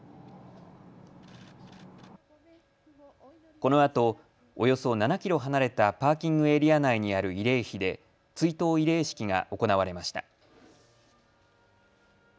このあとおよそ７キロ離れたパーキングエリア内にある慰霊碑で追悼慰霊式が行われました。